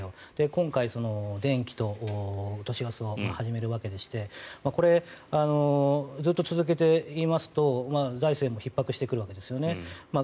今回、電気と都市ガスを始めるわけでしてこれ、ずっと続けていますと財政もひっ迫してくるわけですよね。